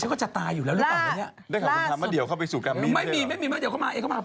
คุณค่ะวันนี้หนูไปทำรายการสามแซ่บมา